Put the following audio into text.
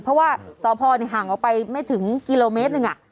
เพราะว่าสพห่างออกไปไม่ถึงกิโลเมตรหนึ่ง